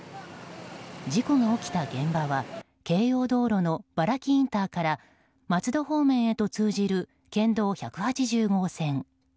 事故が起きた現場は京葉道路の原木インターから松戸方面へと通じる県道１８０号線。